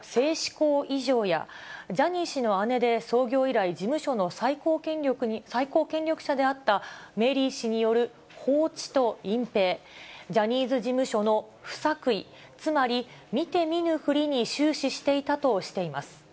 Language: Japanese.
こう異常やジャニー氏の姉で創業以来、事務所の最高権力者であったメリー氏による放置と隠蔽、ジャニーズ事務所の不作為、つまり、見て見ぬふりに終始していたとしています。